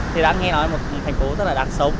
thì đã nghe nói một thành phố rất là đáng sống